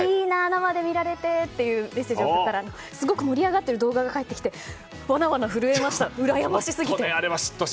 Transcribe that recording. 生で見られたっていうメッセージを送ったらすごい盛り上がっている動画が送られてきてわなわな震えましたうらやましすぎて。